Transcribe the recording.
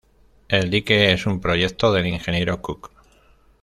El dique es un proyecto del ingeniero Cock.